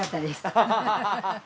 ハハハハハ。